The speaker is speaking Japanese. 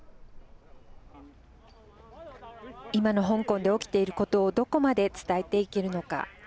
今の香港で起きていることをどこまで伝えていけるのか。